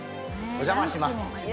お邪魔します。